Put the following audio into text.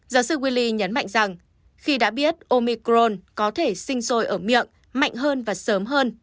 giáo sư willi nhấn mạnh rằng khi đã biết omicron có thể sinh sôi ở miệng mạnh hơn và sớm hơn